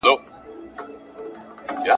که حقیقت ونه ویل سي، باور به جوړ نه سي.